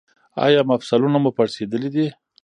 ایا مفصلونه مو پړسیدلي دي؟